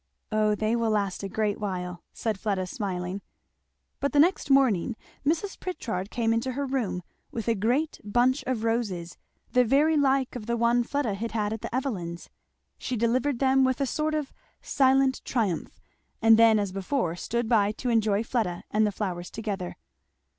"Oh they will last a great while," said Fleda smiling. But the next morning Mrs. Pritchard came into her room with a great bunch of roses, the very like of the one Fleda had had at the Evelyns'. She delivered them with a sort of silent triumph, and then as before stood by to enjoy Fleda and the flowers together.